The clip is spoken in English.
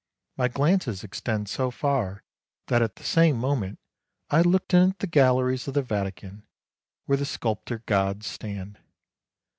My glances extend so far that at the same moment I looked in at the galleries of the Vatican where the sculptured gods stand.